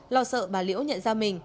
lo sợ bà liễu nhận ra mình